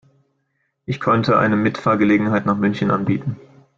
Ich könnte eine Mitfahrgelegenheit nach München anbieten